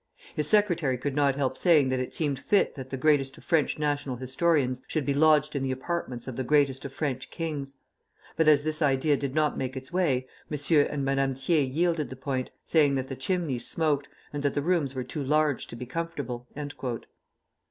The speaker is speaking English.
His secretary could not help saying that it seemed fit that the greatest of French national historians should be lodged in the apartments of the greatest of French kings; but as this idea did not make its way, M. and Madame Thiers yielded the point, saying that the chimneys smoked, and that the rooms were too large to be comfortable."